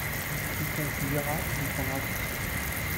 Quiconque lira comprendra tout de suite.